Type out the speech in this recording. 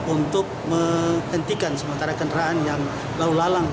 untuk menghentikan sementara kendaraan yang lalu lalang